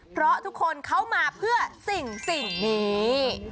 เพราะทุกคนเข้ามาเพื่อสิ่งนี้